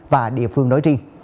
và địa phương nói ri